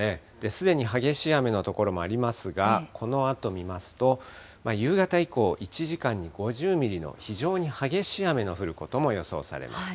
すでに激しい雨の所もありますが、このあと見ますと、夕方以降、１時間に５０ミリの非常に激しい雨の降ることも予想されます。